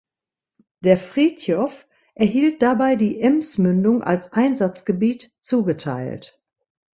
Die "Frithjof" erhielt dabei die Emsmündung als Einsatzgebiet zugeteilt.